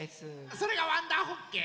それがわんだーホッケー？